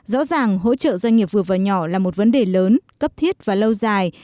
rõ ràng hỗ trợ doanh nghiệp vừa và nhỏ là một vấn đề lớn cấp thiết và lâu dài